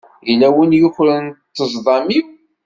Yella win i yukren ṭṭezḍam-iw.